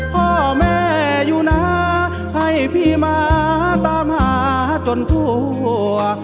พ่อแม่อยู่นะให้พี่มาตามหาจนทั่ว